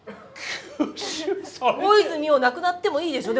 大泉洋なくなってもいいでしょ？